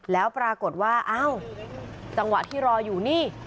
แล้วปรากฏว่าอ้าวจังหวะที่รออยู่นี่